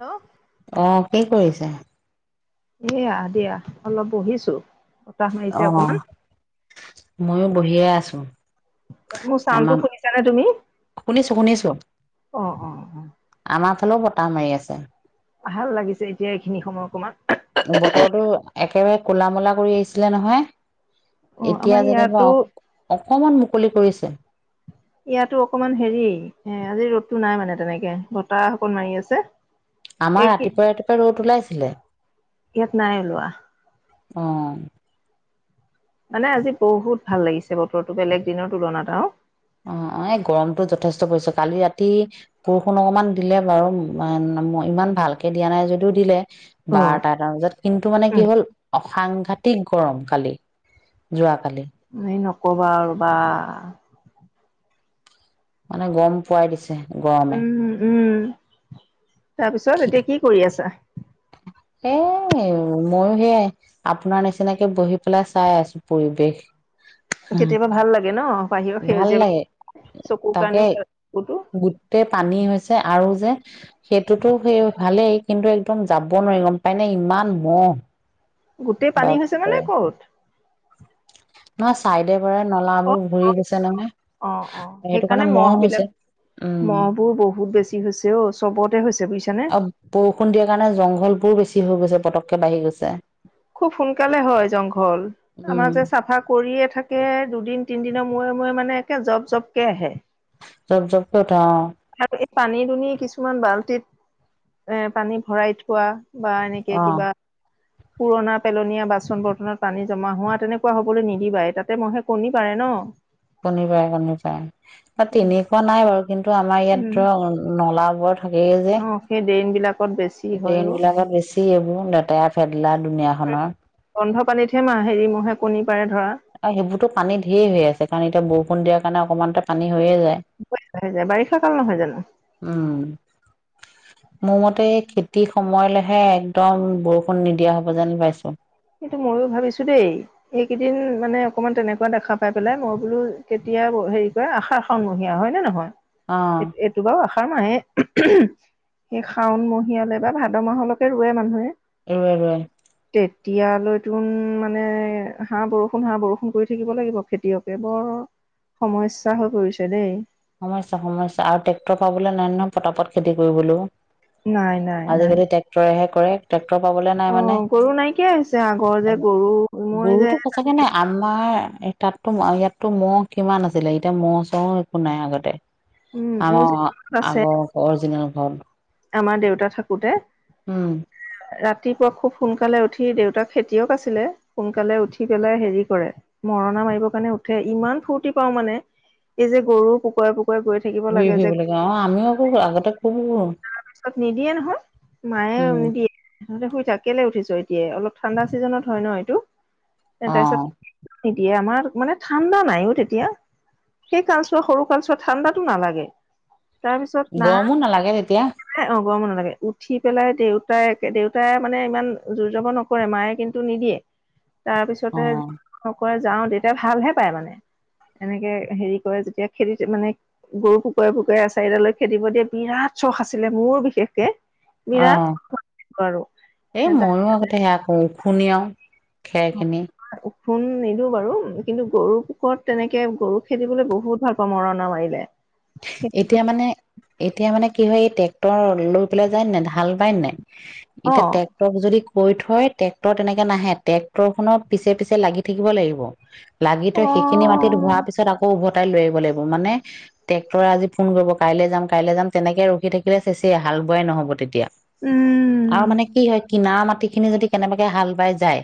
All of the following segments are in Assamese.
ন। অ' কি কৰিছা? এয়া দিয়া অলপ বহিছোঁ। অ' মইয়ো বহিয়ে আছো‌। মোৰ চাউডটো শুনিছানে তুমি শুনিছো শুনিছো অ' অ'। অ আমাৰ ফালেও বতাহ মাৰি আছে। ভাল লাগিছে এতিয়া এইখিনি সময় অকণমান- বতৰটো একেবাৰে কুলা- মুলা কৰি আহিছিলে নহয়। অ এতিয়া আমাৰ যেনিবা ইয়াতো অ' অকমান মুকলি কৰিছে। ইয়াতো অকমান হেৰি, এ আজি ৰ'দতো নাই মানে তেনেকে বতাহ অকণ মাৰি আছে। আমাৰ এই ৰাতিপুৱাই ৰাতিপুৱাই ৰ'দ ওলাইছিলে। ইয়াত নাই ওলোৱা অ' মানে আজি বহুত ভাল লাগিছে বতৰৰতো বেলেগ দিনৰ তুলনাতটা আৰু। অ' অ' এই গৰমতটো যথেষ্ট পৰিছে কালি ৰাতি- বৰষুণ অকমান দিলে বাৰু ইমান ভালকে দিয়া নাই যদিও দিলে অ বাৰ তাত। তাৰপিছত। কিন্তু মানে উম কি হ'ল অসাংঘাতিক গৰম কালি যোৱ কালি। য়ে নক'বা আৰু বা। মানে গম পোৱাই দিছে। গৰমে উম উম, তাৰপিছত এতিয়া কি কৰি আছা? এ, মইয়ো হেয়াই আপোনাৰ নিচিনাকৈ বহি পেলাই চাই আছোঁ, পৰিৱেশ। [unintelligible] কেতিয়াবা ভাল লাগে ন, বাহিৰৰ ভাল লাগে সেউজীয়াৰ তাকে কাৰণেও চকুটো। গোটেই পানী হৈছে আৰু যে। সেইটোতো, সেই ভালেই। কিন্তু একদম যাব নোৱাৰি, গম পাইনে? ইমান মহ, গোটেই পানী হৈছে মানে বাপৰে ক'ত? নহয়, চাইডে বৰাই অ নলাবোৰ ঘূৰি গৈছে নহয় অ', অ' সেইটো কাৰণে সেইকাৰণে মহ হৈছে। বিলাক, উম মহ বোৰ বহুত বেছি কি হৈছে অ' চবতে হৈছে বুজিছানে আৰু বৰষুণ দিয়াৰ কাৰণে জংঘলবোৰো বেছি হৈ গৈছে পতককে বাঢ়ি গৈছে খুব সোনকালে হয় জংঘল, উম আমাৰ যে চাফা কৰিয়ে থাকে, দুদিন তিনিদিনৰ মূৰে মূৰে মানে একে জব জবকৈ আহে জপ-জপ কৈ উঠে অ' [unintelligible] এই পানীদোনী‌, কিছুমান বাল্টিত এ' পানী ভৰাই থোৱা বা এনেকে কিবা [inaudible] পুৰণা পেলনীয়া বাচন-বৰ্তনত পানী জমা হোৱা তেনেকুৱা হবলৈ নিদিবাই, তাতে মহে কণী পাৰে ন' কণী পাৰে, কণী পাৰে তাত তেনেকুৱা নাই বাৰু কিন্তু আমাৰ উম ইয়াততো নলাবোৰ থাকেই যে অ সেই ড্ৰেইন বিলাক ড্ৰেইন বিলাকত বেছি এইবোৰ লেতেৰা-ফেদেলা দুুনীয়াখনৰ গোন্ধ পানীতহে মাহ হেৰি মহে কণী পাৰে ধৰা আৰু হেইবোৰতো পানী ধেই হৈ আছে, কাৰণ এতিয়া বৰষুণ দিয়াৰ কাৰণে অকণমানতে পানী হৈয়ে যায় হৈ যায়, বাৰিষা কাল নহয় জানো? উম' মোৰমতে খেতি সময়লেহে একদম বৰষুণ নিদিয়া হ'ব যেন পাইছোঁ। সেইটো মইয়ো ভাবিছোঁ দেই। এইকেইদিন মানে অকমান তেনেকুৱা দেখা পাই পেলাই, মই বোলো কেতিয়া হেৰি কৰে আশাশ শাওন মহিয়া হয় নে নহয়, অ এই-এইটো বাৰু আহাৰ মাহেই এই শাওন মহিয়ালে বা ভাদ মাহলৈকে ৰুৱে মানুহে ৰুয়ে ৰুৱে [unintelligible] তিয়ালৈ তোন মানে হা বৰষুণ, হা বৰষুণ কৰি থাকিব লাগিব খেতিয়কে বৰ সমস্যা হৈ পৰিছে দেই সমস্যা, সমস্যা আৰু ট্ৰেক্টৰ পাবলৈ নাই ন' পটাপট খেতি কৰিবলৈও নাই নাই নাই আজিকালি ট্ৰেক্টৰে হে কৰে। ট্ৰেক্টৰ পা'বলে নাই অ মানে গৰু নাইকিয়া হৈছে আগৰ যে গৰু মই যে গৰুতো সঁচাকে নাই আমাৰ তাতো, ইয়াততো মহ কিমান আছিলে এতিয়া মহ' চহু' একো একো নাই আগতে, উম মোৰ যে আমাৰ আছে আগৰ অৰিজিনেল ঘৰটো আমাৰ দেউতা থাকোঁতে উম' ৰাতিপুৱা খুব সোনকালে উঠি, দেউতা খেতিয়ক আছিলে সোনকালে উঠি পেলাই হেৰি কৰে মৰনা মাৰিবৰ কাৰনে উঠে, ইমান ফূৰ্তি পাওঁ মানে এই যে গৰু পোকৰে, পোকৰে গৈ থাকে [unintelligible] যাওঁ অ' আমিও আকৌ আগতে খুব ঘুৰো। তাৰ পিছত নিদিয়ে নহয়, মায়ে উম নিদিয়ে তহঁতে শুই থাক, কেলেই উঠিছ' এতিয়া অলপ ঠাণ্ডা ছিজনত হয় ন' এইটো অ তাৰপিছত নিদিয়ে, আমাৰ মানে ঠাণ্ডা নাই অ' তেতিয়া সেই কালচোৱা সৰু কালচোৱা ঠাণ্ডাতো নালাগে, তাৰপিছত নাই মোক নালাগে তেতিয়া। একেবাৰে অ' গৰমো নালাগে, উঠি পেলাই দেউতাই একে দেউতাই মানে ইমান জোৰ-জবৰ নকৰে, মায়ে কিন্তু নিদিয়ে [inaudible] তাৰ অ পিছতে সকলো যাওঁ তেতিয়া, ভালহে পাই মানে। এনে হেৰি কৰে, যিটোৱে খেদি মানে গৰু ফুকুৰাই ফুকুৰাই, আচাৰি লৈকে খেদিবলৈ দিয়ে, বিৰাট শখ আছিল মানে মোৰ বিশেষকে। বিৰাট অঁ, আৰু এই মইও আগতে সেয়া অঁ, খুণ্ডিয়াও খেৰখিনি। ওখোন নিদিওঁ বাৰু, কিন্তু গৰু পোকত তেনেকে গৰু খেদিবলৈ বহুত ভাল পাওঁ আৰু মৰণা মাৰিলে। সেইটো এতিয়া মানে। এতিয়া মানে কি হয় এই ট্ৰেক্টৰ লৈ পেলাই যায় নাই, হাল বাই নে নাই অ এতিয়া ট্ৰে ক্টৰ যদি কৈ থয়, ট্ৰেক্টৰ তেনেকৈ নাহে, ট্ৰেক্টৰখনৰ পিছত পিছত লাগি থাকিব লাগিব। লাগি অ থৈ, সেইখিনি মাটিত হোৱাৰ পিছত আকৌ উভতাই লৈ আহিব লাগিব, মানে ট্ৰেক্টৰে আজি ফোন কৰিব, কাইলৈ যাম, কাইলৈ যাম, তেনেকৈ ৰখি থাকিলে চেচে হাল বোৱাই নহ'ব তেতিয়া। উম আৰু মানে কি হয়, কিনাৰ মাটি খিনি যদি কেনেবাকে হাল বাই যায়।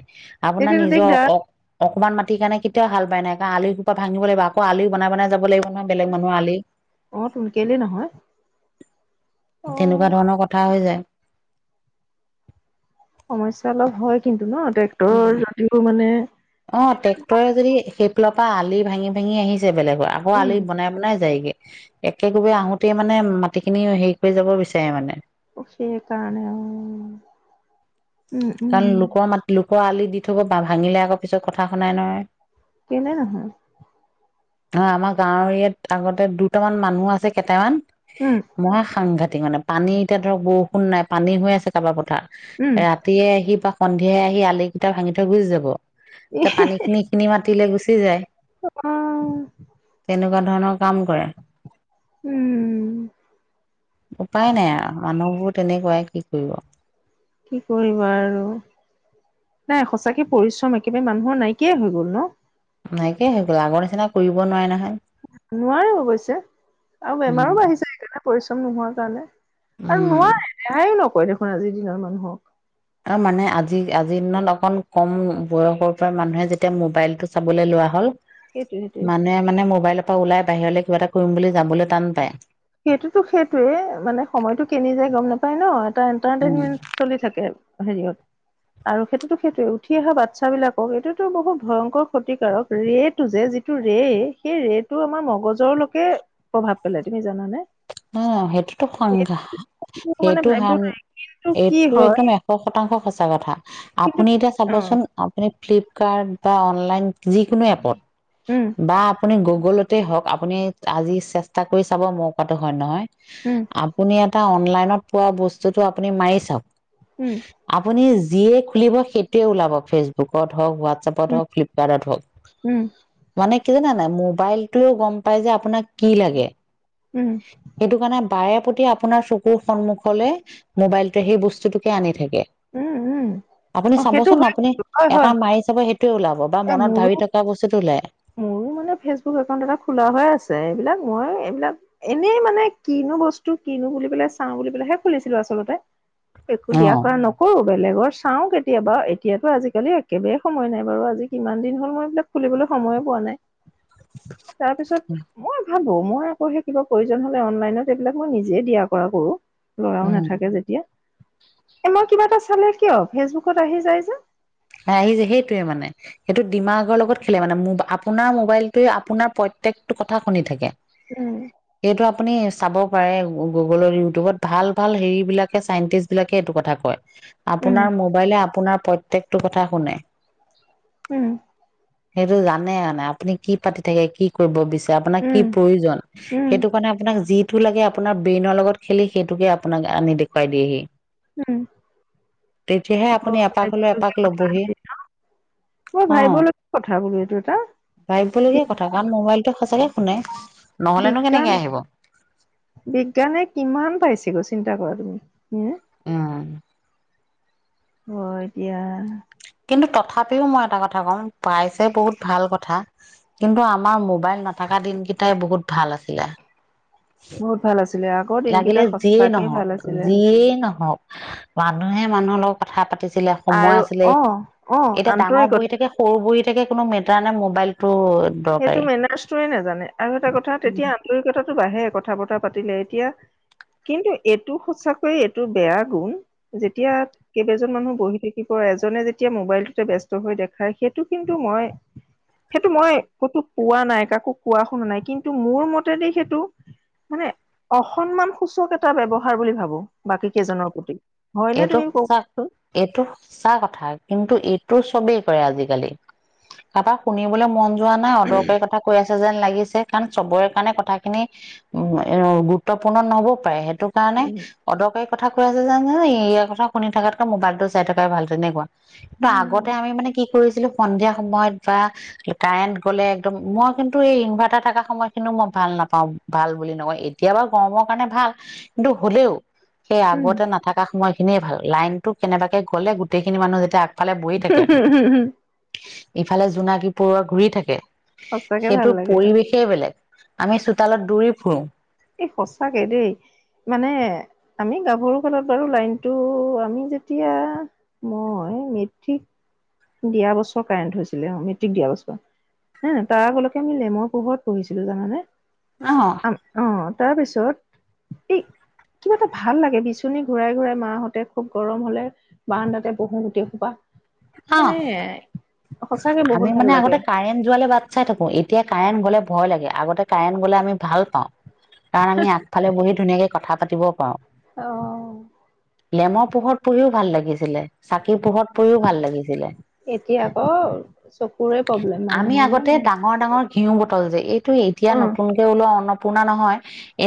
আপোনাৰ তেতিয়াতো নিজৰ দিগদাৰ অ কণমান মাটি কাৰণে কেতিয়াওঁ হাল বাই নাই, কাৰণ আলি খোপা ভাঙিব লাগিব, আকৌ আলি বনাই বনাই যাব লাগিব নহয় বেলেগ মানু্হৰ আলি। অ তো কেলেই নহয়। অ তেনেকুৱা ধৰণৰ কথা হৈ যায়। সমস্যা অলপ হয় কিন্তু ন, ট্ৰেক্টৰৰ ৰটিংটো মানে অঁ, ট্ৰেক্টৰে যদি সেইফালৰ পৰা আলি ভাঙি ভাঙি আহি ছে বেলেগৰ আকৌ উম আলি বনাই বনাই যায়গে। একেঘপে আহোঁতেই মানে মাটিখিনি হেৰি কৰি যাব বিচাৰে মানে। সেইকাৰণে অঁ উম। কাৰণ উম, লোকৰ মাটি লোকৰ আলি দি থব বা ভাঙিলে আকৌ পিছত কথা শুনাই নহয়। কেলে নহয়। অঁ আমাৰ গাঁৱৰ ইয়াত আগতে দুটামান মানুহ আছে কেইটামান। উম। মই সাংঘাতিক মানে পানী এতিয়া ধৰক বৰষুণ নাই পানী হৈ আছে কাৰোবাৰ পথাৰাত উম, ৰাতিয়ে আহি বা সন্ধিয়াই আহি আলি কেইটা ভাঙি থৈ গুচি যাব, ত পানী খিনি খিনি মাতিলে গুচি যায়, উম, তেনেকুৱা ধৰণৰ কাম কৰে। উম। উপায় নাই আৰু মানুহবোৰ তেনেকুৱাই কি কৰিব। কি কৰিবা আৰু, নাই সঁচাকৈ পৰিশ্ৰম একেবাৰে মানুহৰ নাইকিয়াই হৈ গ'ল ন। নাইকিয়াই হৈ গল, আগৰ নিচিনা কৰিব নোৱাৰে নহয়। নোৱাৰো অৱশ্যে, আৰু বেমাৰো বাঢ়িছে সেইকাৰণে পৰিশ্ৰম নোহোৱাৰ কাৰণে। আৰু উম, নোৱাৰে ৰেহাইও নকৰে দেখোন আজিৰ দিনৰ মানুহক। আৰু মানে আজি আজিৰ দিনত অকণ কম বয়সৰ পৰা মানুহে যেতিয়া মোবাইলটো চাবলৈ লোৱা হ'ল। সেইটোৱে সেইটোৱে। মানুহে মানে মোবাইলৰ পৰা ওলাই বাহিৰলৈ কিবা এটা কৰিম বুলি যাবলৈ টান পায়। এইটোতো সেইটোৱে, মানে সময়টো কেনি যায় গম নাপায় ন, এটা উম, এণ্টাৰটেইনমেণ্ট চলি থাকে হেৰিয়ত। আৰু সেইটোতো সেইটোৱে, উঠি অহা বাচ্ছা বিলাকক এইটোতো বহুত ভয়ংকৰ ক্ষতিকাৰক। ৰেট টো যে যিটো ৰে সেই ৰেটো আমাৰ মগজুৰলৈকে প্ৰভাৱ পেলাই, তুমি জানানে? অঁ, সেইটোতো সাংঘা এইটো মানে সেইটো ভাবিব সা নোৱাৰি কি এইটো হয় একদম শতাংশ সঁচা কথা কিন্তু আপুনি এতিয়া অ' চাবচোন আপুনি ফ্লিপকাৰ্ড বা অনলাইন। যিকোনো এপত উম, বা আপুনি গুগলতে হওক, আপুনি আজি চেষ্টা কৰি চাব মোৰ কোৱাটো হয় নে নহয়। উম। আপুনি এটা অনলাইনত পোৱা বস্তুটো আপুনি মাৰি চাওঁক। উম। আপুনি যিয়ে খুলিব সেইটোৱে ওলাব, ফেচবুকত হওক, ৱা- হোৱাটছপত উম, হওক, ফ্লিপকাৰ্ডত হওক, উম, মানে কি জানা নে নাই, মোবাইলটোৱে গম পাই যে আপোনাক, কি লাগে। উম। সেইটো কাৰণে বাৰেপ্ৰতি আপোনাৰ চকুৰ সন্মুখলে, মোবাইলটো সেই বস্তুটোকে আনি থাকে। উম উম। আপুনি অ' সেইটো চাবচোন হয় আপুনি কিন্তু হয়, হয়, এটা মাৰি চাব, সেইটোৱে ওলাব বা হয়, মনত মোৰো ভাবি থকা বস্তুটো ওলায়। মোৰো মানে ফেচবুক একাউণ্ট এটা খোলা হৈ আছে। এইবিলাক মই এইবিলাক, এনেই মানে কিনো বস্তু কিনো বুলি পেলাই চাওঁ বুলি পেলাইহে খুলিছিলো আচলতে। একো অ দিয়া। কৰা নকৰো, বেলেগৰ চাও কেতিয়াবা। এতিয়াতো আজিকালি একেবাৰে সময় নাই বাৰু আজি কিমান দিন হ'ল মই এইবিলাক। খুলিবলৈ সময়ে পোৱা নাই। তাৰপিছত মই ভাবো মই আকৌ সেই কিবা প্ৰয়োজন হলে, অনলাইনত এইবিলাক মই নিজে দিয়া কৰা কৰো। লৰাও উম নাথাকে যেতিয়া। এ মই কিবা এটা চালে কিয় ফেচবুকত আহি যায় যে? আহি যায়, সেইটোৱে মানে। সেইটো ডিমাগৰ লগত খেলে মানে। আপোনাৰ মোবাইলটোৱে আপোনাৰ প্ৰত্যেকটো কথা শুনি থাকে। উম। সেইটো আপুনি চাব পাৰে, গুগলত ইউটিউবত ভাল ভাল হেৰি বিলাকে চাইণ্টিষ্ট বিলাকে এইটো কথা কয় উম আপোনাৰ মোবাইলে আপোনাৰ প্ৰত্যেকটো কথা শুনে। উম। সেইটো জানে আপুনি কি পাতি থাকে কি কৰিব বিচাৰে আপোনাক কি উম প্ৰয়োজন। উম সেইটো কাৰণে আপোনাক যি টো লাগে আপোনাৰ ব্ৰেইনৰ লগত খেলি সেইটোকে আপোনাক আনি দেখুৱাই দিয়েহি। উম। তেতিয়াহে আপুনি এপাক হলেও এপাক লবহি। মই অ ভাবিবলগীয়া কি কথা বোলো এইটো এটা। ভাবিবলগীয়া কথা। কাৰণ মোবাইলটো সচাকে শুনে নহলেনো বিজ্ঞান কেনেকে আহিব? বিজ্ঞানে কিমান পাইছেগৈ, চিন্তা কৰা তুমি হুম? উম। হয় দিয়া। কিন্তু তথাপিও মই এটা কথা কম, পাইছে বহুত ভাল কথা কিন্তু আমাৰ মোবাইল নথকা দিন কেইটাই বহুত ভাল আছিলে। বহুত ভাল আছিলে। আগৰ দিনকেইটা লাগিলে যিয়েই সঁচাকেই নহওক, ভাল আছিলে যিয়েই নহওক মানুহে মানুহৰ লগত কথা পাতিছিলে, সময় আৰু আছিলে অ অ এতিয়া ডাঙৰ বহি আন্তৰিকতা থাকে সৰু বহি থাকে কোনো মেটাৰ নাই, মোবাইলটো সেইটো দৰকাৰী মেনাৰছটোৱে নাজানে, আৰু এটা কথা তেতিয়া আন্তৰিকতাটো বাঢ়ে কথা বতৰা পাতিলে, এতিয়া কিন্তু এইটো সঁচাকৈয়ে, এইটো বেয়া গুণ। যেতিয়া কেইবাজন মানুহ বহি থাকিব এজনে যেতিয়া মোবাইলটোতে ব্যস্ত হৈ দেখায়। সেইটো কিন্তু মই সেইটো মই কতো পোৱা নাই কাকো কোৱা শুনা নাই। কিন্তু মোৰ মতে দি সেইটো মানে অসন্মান সূচক এটা ব্যৱহাৰ বুলি ভাবো। বাকী কেইজনৰ প্ৰতি হয়নে এইটো তুমি সঁচা কওকচোন এইটো সঁচা কথা, কিন্তু এইটো চবেই কৰে আজিকালি। কাৰাবাৰ শুনিবলৈ মন যোৱা নাই অদৰকাৰী কথা কৈ আছে যেন লাগিছে, কাৰণ চবৰে কাৰণে কথাখিনি উম, অ, গুৰুত্বপূৰ্ণ নহ'বও পাৰে সেইটো কাৰণে, উম অদৰকাৰী কথা কৈ আছে [unintelligible] ইয়াৰ কথা শুনি থকাতকৈ মোবাইলতটো চাই থকাই ভাল তেনেকুৱা। কিন্তু উম আগতে আমি মানে কি কৰিছিলোঁ‌ সন্ধিয়া সময়ত বা কাৰেণ্ট গ'লে একদম, মই কিন্তু এই ইনভাৰ্টাৰ থকা সময় খিনিও মই ভাল নাপাওঁ। ভাল বুলি নকয়, এতিয়া বাৰু গৰমৰ কাৰণে ভাল কিন্তু হ'লেও সেই উম, আগতে নাথাকা সময়খিনিয়ে ভাল, লাইনতো কেনেবাকে গ'লে গোটেইখিনি মানুহ যেতিয়া ইফালে বহি থাকে, ইফালে জোনাকী পৰুৱা ঘূৰি থাকে সঁচাকে ভাল সেইটোৰ লাগে পৰিৱেশেই বেলেগ, আমি চোতালত দৌৰি ফুৰো। এই সঁচাকে দেই। মানে আমি গাভৰু কালত বাৰু লাইনটো, আমি যেতিয়া মই মেট্ৰিক, দিয়া বছৰ কাৰেণ্ট হৈছিলে অ', মেট্ৰিক দিয়া বছৰ। নাই-নাই তাৰ আগলৈকে আমি লেমৰ পোহৰত পঢ়িছিলো, জানানে? অ'। আম অ', তাৰপিছত এই কিবা এটা ভাল লাগে বিচনী ঘূৰাই ঘূৰাই মাহঁতে খুব গৰম হ'লে বাৰন্দাতে বহোঁ‌ গোটেই সোপা, অ মানে সঁচাকে আমি বহুত ভাল মানে আগতে লাগে কাৰেণ্ট যোৱালে বাট চাই থাকো, এতিয়া কাৰেণ্ট গ'লে ভয় লাগে, আগতে কাৰেন্ট গ'লে আমি ভাল পাওঁ, কাৰণ আমি ফালে বহি ধুনীয়াকে কথা পাতিব পাৰোঁ‌। অ'। লেমৰ পোহৰত পঢ়িও ভাল লাগিছিলে, চাকিৰ পোহৰত পঢ়িও ভাল লাগিছিলে। এতিয়া আকৌ, চকুৰে প্ৰব্লেম আমি মানুহৰ আগতে ন ডাঙ ডাঙৰ ডাঙৰ ঘিউ বটল যে এইটো এতিয়া উম, নতুনকে ওলোৱা অন্নপূৰ্ণা নহয়।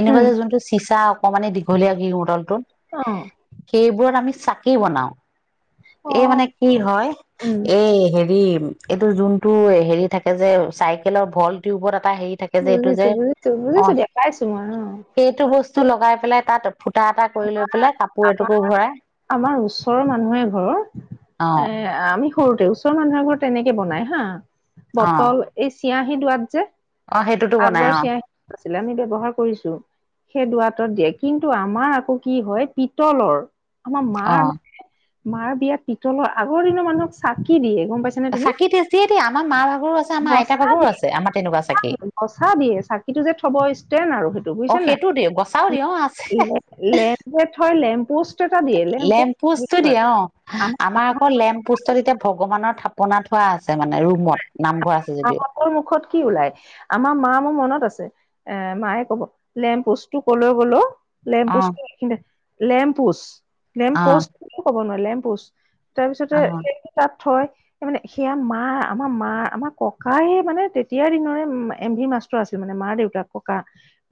এনেকুৱা উম, যে যোনটো চিচা অকমানি দীঘলীয়া ঘিউ বতলটো। অ'। সেইবোৰত আমি চাকি বনাও। এই মানে কি হয়, উম, এই হেৰি এইটো যোন টো হেৰি থাকে যে চাইকেলৰ ভল টিউবৰ এটা হেৰি থাকে যে এইটো যে বুজিছো, বুজিছো, অ' বুজিছো দিয়া পাইছো মই অ', সেইটো বস্তু লগাই পেলাই তাত ফুটা এটা কৰি লৈ পেলাই, কাপোৰ আমাৰ এটুকোৰ ভৰাই আমাৰ ওচৰৰ মানুহ এঘৰৰ এ অ'। আমি সৰুতে ওচৰৰ মানুহৰ ঘৰত তেনেকে বনাই হা, অ বটল এই চিয়াঁ‌হী দোৱাত যে। অ সেইটোতো বনাই আগৰ অ চিয়াঁহী আছিলে, আমি ব্যৱহাৰ কৰিছো। সেই দুৱাতত দিয়ে, কিন্তু আমাৰ আকৌ কি হয় পিতলৰ আমাৰ অ মাৰ মানে, মাৰ বিয়াত পিতলৰ আগৰ দিনৰ মানুহক চাকি দিয়ে গম পাইছা চাকি তেজ দিয়ে দে আমাৰ মাৰ ভাগৰো আছে, আমাৰ আইতাৰ ভাগৰো আছে, আমাৰ তেনেকোৱা চাকি। গচা দিয়ে, চাকিটো যে থব ষ্টেণ্ড আৰু সেইটো, অ বুজিছে নাই? সেইটো দিওঁ গছাও দিওঁ অ আছে লেম যে থয়, লেম পোষ্ট। এটা দিয়ে লেম্প লেম পোষ্টটো পোষ্ট দিয়ে অ', আমাৰ আকৌ লেম্প পোষ্টত এতিয়া ভগৱানৰ থাপনা থোৱা আছে মানে ৰুমত, নামঘৰ আছে যদিও ক'ৰ মুখত কি ওলাই আমাৰ মা মোৰ মনত আছে। এ মায়ে কব লেম্পষ্টটো কলৈ গ'ল অ? অ লেম্পোচ লেম্পোচ অ লেম্পপোষ্ট কৱ নোৱাৰে লেম্পোচ। তাৰপিছতে অ তাত থয় তাৰ মানে সেয়া মা। আমাৰ মা আমাৰ ককায়ে মানে তেতিয়া দিনৰে এম ভিৰ মাষ্টৰ আছিল মানে মাৰ দেউতাক ককা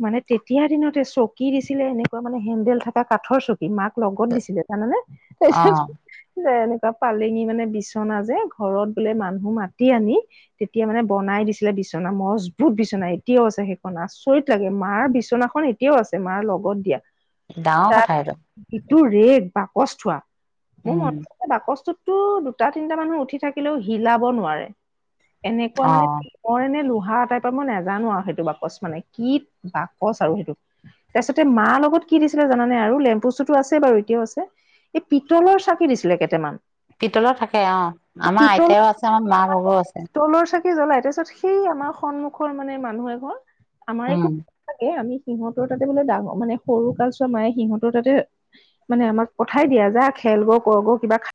মানে তেতিয়া দিনতে চকী দিছিলে এনেকোৱা মানে হেণ্ডেল থকা কাঠৰ চকী মাক লগত দিছিলে জানানে। অ এনেকোৱা পালেঙি মানে বিচনা যে ঘৰত বোলে মানুহ মাতি আনি তেতিয়া মানে বনাই দিছিলে বিচনা মজবুত বিচনা এতিয়াও আছে সেইখন আচৰিত লাগে মাৰ বিচনাখন এত এতিয়াও আছে মাৰ লগত দিয়া। ডাঙৰ কথা তাত এইটো যিটো ৰেগ বাকচ থোৱা মোৰ উম মনত এই বাকচটোততো দুটা তিনিটা মানুহ উঠি থাকিলেও হিলাব নোৱাৰে। এনেকোৱা অ মানে মই এনে লোহা টাইপৰ মই নেজানো আৰু সেইটো বাকচ মানে কি বাকচ আৰু সেইটো। তাৰপিছতে মাৰ লগত কি দিছিলে জানে আৰু লেমপোষ্টো আছে বাৰু এতিয়াও আছে। এই পিতলৰ চাকি দিছিলে কেইটামান। পিতলৰ থাকে অ আমাৰ আইতাৰো আছে আমাৰ মা বাগৰো আছে। পিতলৰ চাকি জ্বলাই তাৰ পিছত সেই আমাৰ সন্মুখৰ মানে মানুহ এখন আমাৰ উম একো তাকে আমি সিহঁৰ তাতে বোলে ডাঙৰ মানে সৰু কালছোৱা মায়ে সিহঁতৰ তাতে মানে আমাক পঠিয়াই দিয়ে যে খেলগ কৰগ কিবা